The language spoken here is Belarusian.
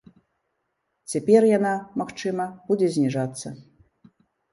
Цяпер яна, магчыма, будзе зніжацца.